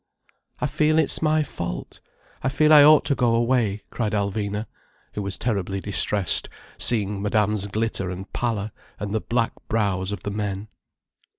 "I feel it's my fault. I feel I ought to go away," cried Alvina, who was terribly distressed, seeing Madame's glitter and pallor, and the black brows of the men.